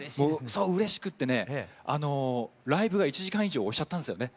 そううれしくってねライブが１時間以上押しちゃったんですよね。